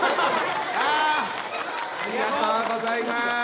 ありがとうございます。